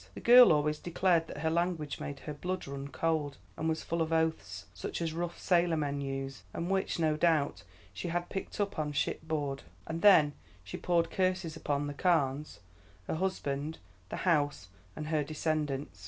The girl always declared that her language made her blood run cold, and was full of oaths, such as rough sailor men use, and which, no doubt, she had picked up on ship board; and then she poured curses upon the Carnes, her husband, the house, and her descendants.